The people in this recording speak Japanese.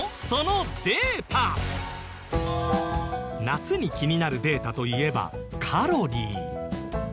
夏に気になるデータといえばカロリー。